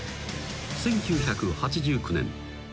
［１９８９年］